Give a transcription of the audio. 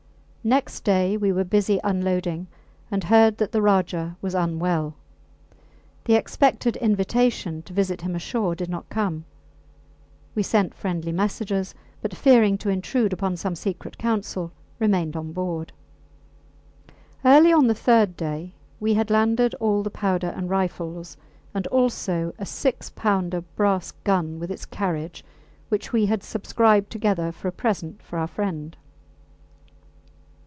Next day we were busy unloading, and heard that the Rajah was unwell. The expected invitation to visit him ashore did not come. We sent friendly messages, but, fearing to intrude upon some secret council, remained on board. Early on the third day we had landed all the powder and rifles, and also a six pounder brass gun with its carriage which we had subscribed together for a present for our friend.